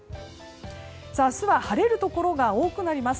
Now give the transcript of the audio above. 明日は晴れるところが多くなります。